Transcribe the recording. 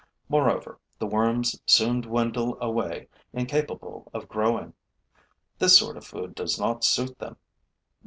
Moreover, the worms soon dwindle away, incapable of growing. This sort of food does not suit them.